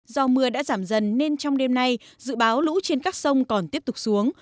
do mưa đã giảm dần nên trong đêm nay dự báo lũ trên các sông còn tiếp tục xuống